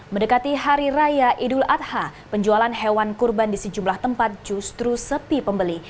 mendekati hari raya idul adha penjualan hewan kurban di sejumlah tempat justru sepi pembeli